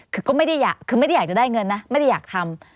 คือก็ไม่ได้อยากจะได้เงินนะไม่ได้อยากทำ